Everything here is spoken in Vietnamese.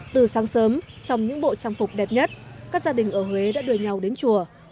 từ sáng sớm trong những bộ trang phục đẹp nhất các gia đình ở huế đã đuổi nhau đến chùa